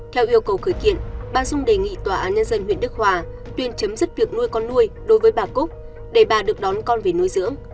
theo yêu cầu khởi kiện bà dung đề nghị tòa án nhân dân huyện đức hòa tuyên chấm dứt việc nuôi con nuôi đối với bà cúc để bà được đón con về nuôi dưỡng